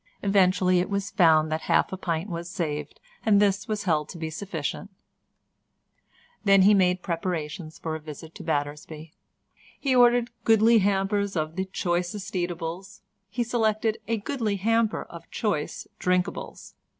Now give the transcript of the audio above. Eventually it was found that half a pint was saved, and this was held to be sufficient. Then he made preparations for a visit to Battersby. He ordered goodly hampers of the choicest eatables, he selected a goodly hamper of choice drinkables.